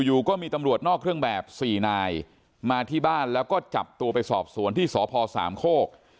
อยู่ก็มีตำรวจนอกเครื่องแบบสี่นายมาที่บ้านแล้วก็จับตัวไปสอบสวนที่สพสามโคก